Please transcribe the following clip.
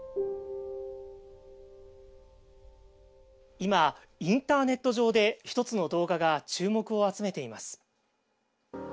今インターネット上で一つの動画が注目を集めています。